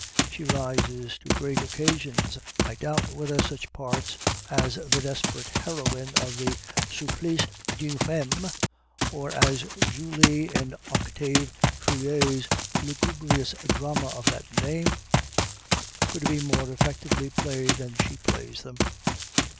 She rises to great occasions. I doubt whether such parts as the desperate heroine of the "Supplice d'une Femme," or as Julie in Octave Feuillet's lugubrious drama of that name, could be more effectively played than she plays them.